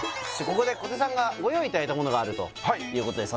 ここで小手さんがご用意いただいた物があるということです